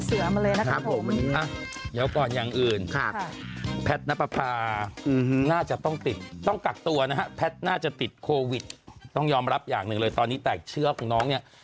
สวัสดีครับข้าวใส่ไข่สดใหม่ให้เยอะ